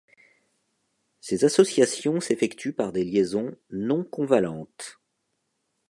Ces associations s'effectuent par des liaisons non-convalentes.